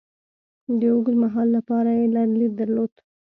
د اوږد مهال لپاره یې لرلید درلود.